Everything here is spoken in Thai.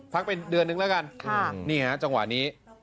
พักไปเดือนนึงแล้วกันจังหวะนี้